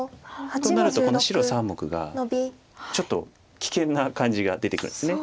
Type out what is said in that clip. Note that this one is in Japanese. となるとこの白３目がちょっと危険な感じが出てくるんです。